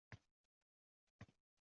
Sizni yana uchratganimdan mamnunman.